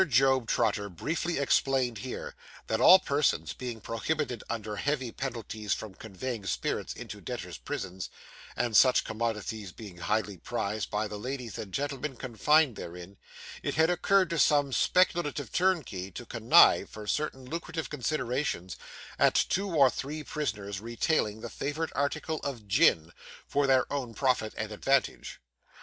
Job Trotter briefly explained here, that all persons, being prohibited under heavy penalties from conveying spirits into debtors' prisons, and such commodities being highly prized by the ladies and gentlemen confined therein, it had occurred to some speculative turnkey to connive, for certain lucrative considerations, at two or three prisoners retailing the favourite article of gin, for their own profit and advantage.